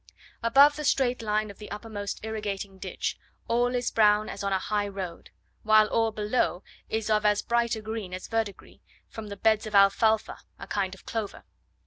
Above the straight line of the uppermost irrigating ditch, all is brown as on a high road; while all below is of as bright a green as verdigris, from the beds of alfalfa, a kind of clover.